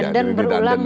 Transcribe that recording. ridah dan berulang